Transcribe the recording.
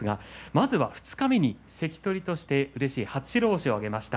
まずは、二日目に関取としてはうれしい初白星を挙げました。